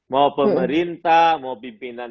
mau pemerintah mau pimpinan